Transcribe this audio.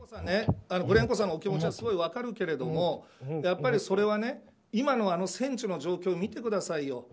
グレンコさんのお気持ちはすごい分かるけれどもやっぱりそれは今の戦地の状況を見てください。